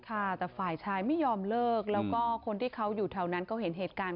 ค่ะแต่ฝ่ายชายไม่ยอมเลิกแล้วก็คนที่เขาอยู่แถวนั้นเขาเห็นเหตุการณ์